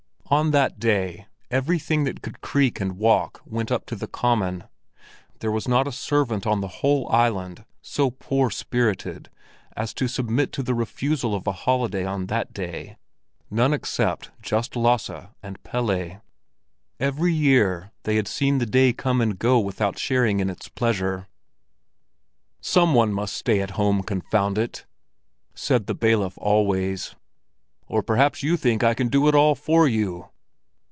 On that day everything that could creep and walk went up to the Common; there was not a servant on the whole island so poor spirited as to submit to the refusal of a holiday on that day—none except just Lasse and Pelle. Every year they had seen the day come and go without sharing in its pleasure. "Some one must stay at home, confound it!" said the bailiff always. "Or perhaps you think I can do it all for you?"